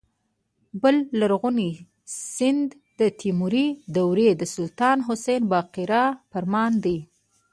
بل لرغونی سند د تیموري دورې د سلطان حسن بایقرا فرمان دی.